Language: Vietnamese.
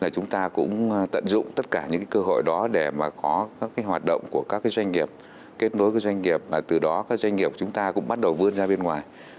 chúng ta cũng tận dụng tất cả những cơ hội đó để có các hoạt động của các doanh nghiệp kết nối với doanh nghiệp và từ đó các doanh nghiệp chúng ta cũng bắt đầu vươn ra bên ngoài